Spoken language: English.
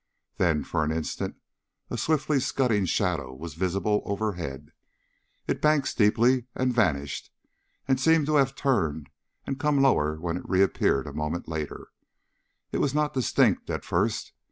Then, for an instant, a swiftly scudding shadow was visible overhead. It banked steeply and vanished, and seemed to have turned and come lower when it reappeared a moment later. It was not distinct, at first.